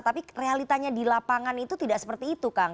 tapi realitanya di lapangan itu tidak seperti itu kang